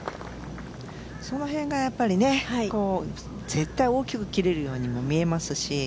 その辺が絶対大きく切れるようにも見えますし。